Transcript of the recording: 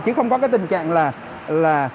chứ không có cái tình trạng là